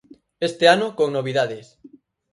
Este ano con novidades.